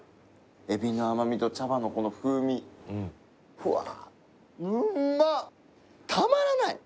海老の甘みと茶葉のこの風味ふわっうんまったまらない！